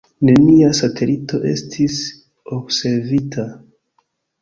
Nenia satelito estis observita.